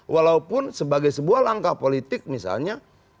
walaupun sebagai sebuah langkah politik misalnya